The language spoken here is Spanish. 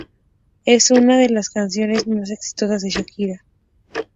Es una de las canciones más exitosas de Shakira.